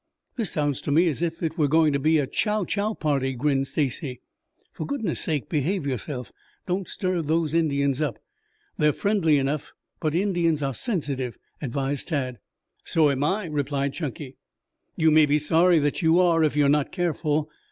"This sounds to me as if it were going to be a chow chow party," grinned Stacy. "For goodness' sake, behave yourself. Don't stir those Indians up. They are friendly enough, but Indians are sensitive," advised Tad. "So am I," replied Chunky. "You may be sorry that you are if you are not careful.